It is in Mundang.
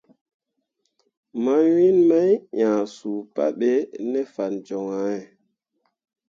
Mawin mai ʼnyah suu pabe ne fan joŋ ahe.